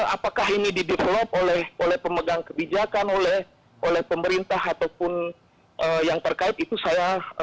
apakah ini didevelop oleh pemegang kebijakan oleh pemerintah ataupun yang terkait itu saya